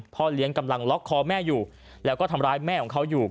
เลี้ยงกำลังล็อกคอแม่อยู่แล้วก็ทำร้ายแม่ของเขาอยู่